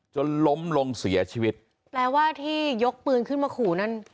จนล้มลงเสียชีวิตแปลว่าที่ยกปืนขึ้นมาขู่นั่น